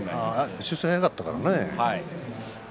出世が早かったからね。